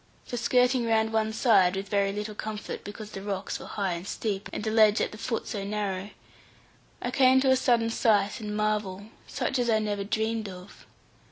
For skirting round one side, with very little comfort, because the rocks were high and steep, and the ledge at the foot so narrow, I came to a sudden sight and marvel, such as I never dreamed of.